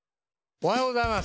おはようございます。